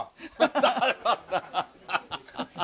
ハハハハ！